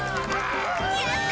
やった！